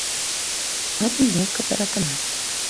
У гэтым лёгка пераканацца.